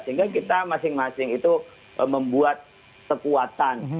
sehingga kita masing masing itu membuat kekuatan